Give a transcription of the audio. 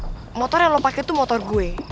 kasih tau aja kalo motor yang lo pake tuh motor gue